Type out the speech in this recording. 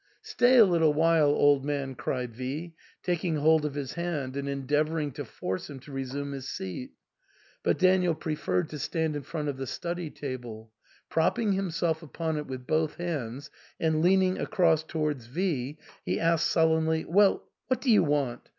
"Stay a little while, old man," cried V , taking hold of his hand and endeavouring to force him to resume his seat ; but Daniel preferred to stand in front of the study table ; propping himself upon it with both hands, and leaning across towards V , he asked sullenly, " Well, what do you want